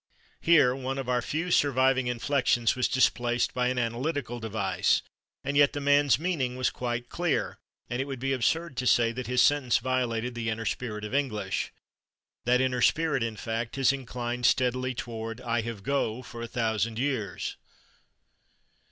Here one of our few surviving inflections was displaced by an analytical devise, and yet the man's meaning was quite clear, and it would be absurd to say that his sentence violated the inner spirit of English. That inner spirit, in fact, has inclined steadily toward "I have /go/" for a thousand years.